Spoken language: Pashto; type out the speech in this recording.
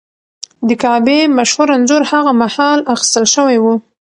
د کعبې مشهور انځور هغه مهال اخیستل شوی و.